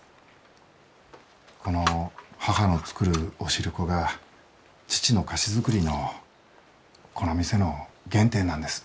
この母の作るお汁粉が父の菓子作りのこの店の原点なんです。